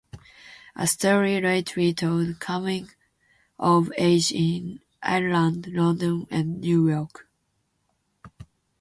A story lately told : coming of age in Ireland, London, and New York.